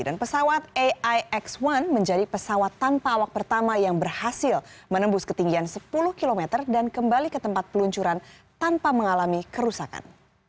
dan pesawat aix satu menjadi pesawat tanpa awak pertama yang berhasil menembus ketinggian sepuluh km dan kembali ke tempat peluncuran tanpa mengalami kerusakan